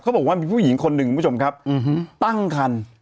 บอกว่ามีผู้หญิงคนหนึ่งคุณผู้ชมครับตั้งคัน